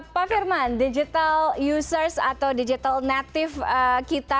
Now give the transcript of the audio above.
pak firman digital users atau digital native kita